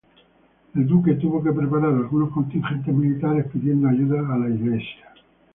El duque tuvo que preparar algunos contingentes militares pidiendo ayuda a la Iglesia.